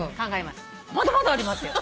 まだまだありますよ。